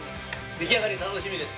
出来上がり楽しみです。